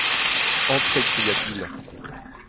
—«Entrez !» cria-t-il.